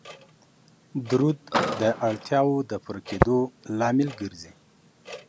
درود د اړتیاو د پوره کیدلو لامل ګرځي